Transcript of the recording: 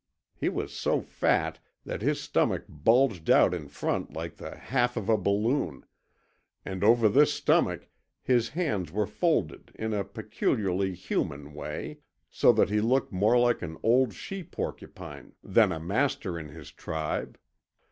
He was so fat that his stomach bulged out in front like the half of a balloon, and over this stomach his hands were folded in a peculiarly human way, so that he looked more like an old she porcupine than a master in his tribe.